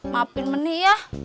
maafin menik ya